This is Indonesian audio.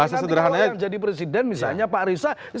kalau yang jadi presiden misalnya pak arief sahar